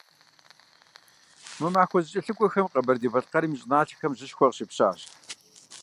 Мы махуэ зэкӀэлъыкӀуэхэм Къэбэрдей-Балъкъэрым и щӀыналъэм жьышхуэ къыщепщащ.